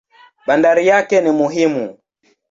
Bandari yake ni muhimu.